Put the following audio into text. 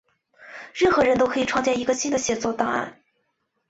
任何人都可以创建一个新的协作文档。